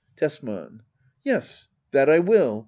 Tesman. Yjes^ that I will.